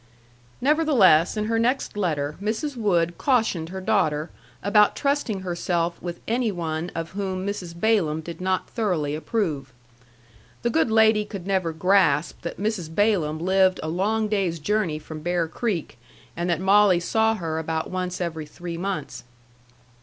Nevertheless, in her next letter, Mrs. Wood cautioned her daughter about trusting herself with any one of whom Mrs. Balaam did not thoroughly approve. The good lady could never grasp that Mrs. Balaam lived a long day's journey from Bear Creek, and that Molly saw her about once every three months.